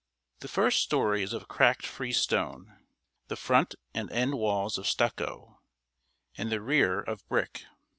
The first story is of cracked free stone, the front and end walls of stucco, and the rear of brick.